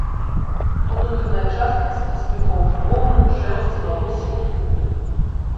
Унутраная частка з касмыкоў воўны, шэрсці, валосся і пуху.